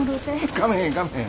かめへんかめへん。